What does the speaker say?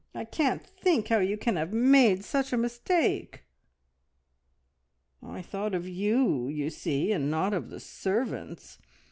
I can't think how you can have made such a mistake!" "I thought of you, you see, and not of the servants.